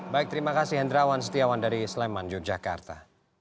baik terima kasih hendrawan setiawan dari sleman yogyakarta